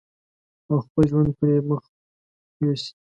او خپل ژوند پرې پرمخ يوسي.